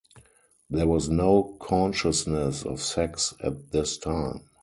There was no consciousness of sex at this time.